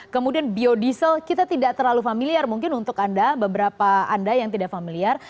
kemudian biodiesel kita tidak terlalu familiar mungkin untuk anda beberapa anda yang tidak familiar